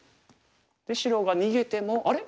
白が逃げてもあれ？